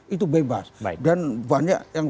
itu bebas baik dan banyak yang